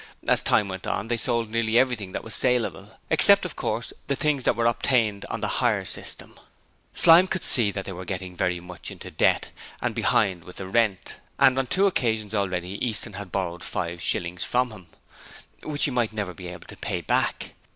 As time went on, they sold nearly everything that was saleable, except of course, the things that were obtained on the hire system. Slyme could see that they were getting very much into debt and behind with the rent, and on two occasions already Easton had borrowed five shillings from him, which he might never be able to pay back.